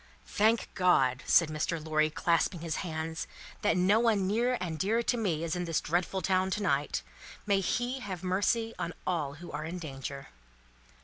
"Thank God," said Mr. Lorry, clasping his hands, "that no one near and dear to me is in this dreadful town to night. May He have mercy on all who are in danger!"